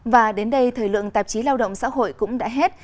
và đến đây thời lượng tạp chí lao động xã hội cũng đã hết